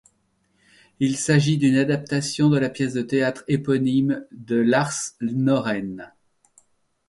Il s'agit d'une adaptation de la pièce de théâtre éponyme de Lars Norén.